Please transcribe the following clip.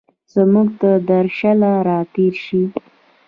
زموږ تردرشل، را تېرشي